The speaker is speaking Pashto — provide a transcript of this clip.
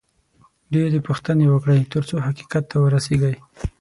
ډېرې پوښتنې وکړئ، ترڅو حقیقت ته ورسېږئ